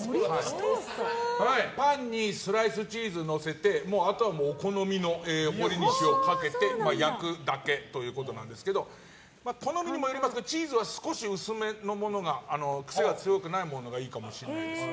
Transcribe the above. パンにスライスチーズのせてあとはお好みのほりにしをかけて焼くだけということなんですけど好みにもよりますがチーズは薄めのものが癖が強くないものがいいかもしれないです。